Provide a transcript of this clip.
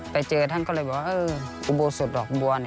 ไปเจอท่านก็เลยบอกว่าอุโบสถดอกบัว